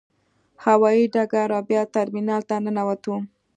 هوايي ډګر او بیا ترمینال ته ننوتو.